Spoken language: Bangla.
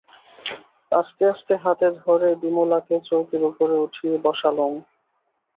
আস্তে আস্তে হাতে ধরে বিমলাকে চৌকির উপরে উঠিয়ে বসালুম।